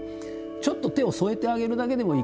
ちょっと手を添えてあげるだけでもいいから。